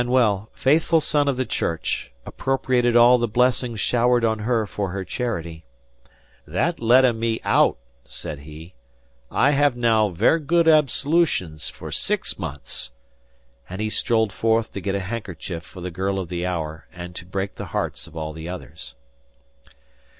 Manuel, faithful son of the Church, appropriated all the blessings showered on her for her charity. "That letta me out," said he. "I have now ver' good absolutions for six months"; and he strolled forth to get a handkerchief for the girl of the hour and to break the hearts of all the others.